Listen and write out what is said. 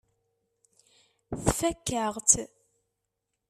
Tfakk-aɣ-tt.